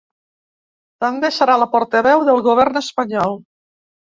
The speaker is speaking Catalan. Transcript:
També serà la portaveu del govern espanyol.